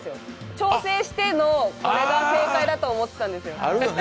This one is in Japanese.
調整してのこれが正解だと思ってたんですよ。